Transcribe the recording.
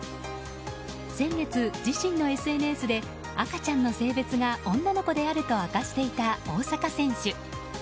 先月、自身のＳＮＳで赤ちゃんの性別が女の子であると明かしていた大坂選手。